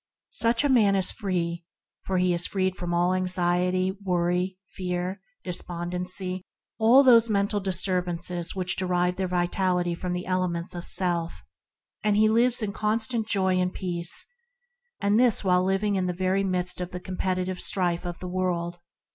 Such a man is free, for he is freed from all anxiety, worry, fear, despondency, all the mental disturbances that derive their vitality from the elements of self; he lives in constant joy and peace, and this while living in the very midst of the competi tive strife of the world.